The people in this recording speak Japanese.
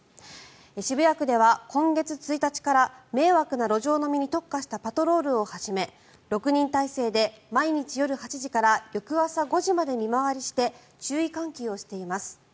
渋谷区では今月１日から迷惑な路上飲みに特化したパトロールを始め６人体制で毎日夜８時から翌朝５時まで見回りして注意喚起をしています。